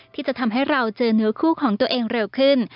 ที่จะทำให้เราเจอเนื้อคู่ของตัวเองเร็วขึ้น